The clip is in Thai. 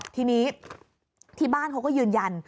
ทีนี้ที่บ้านเขาก็ยืนยัน